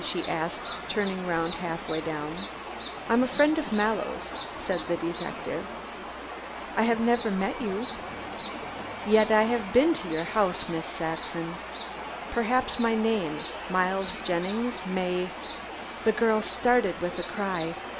she asked, turning round half way down. "I am a friend of Mallow's," said the detective. "I have never met you?" "Yet I have been to your house, Miss Saxon. Perhaps my name, Miles Jennings, may " The girl started with a cry.